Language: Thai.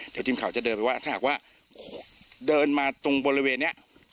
เดี๋ยวทีมข่าวจะเดินไปว่าถ้าหากว่าเดินมาตรงบริเวณนี้